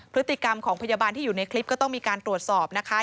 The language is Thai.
พฤติกรรมของพยาบาลที่อยู่ในคลิปก็ต้องมีการตรวจสอบนะคะ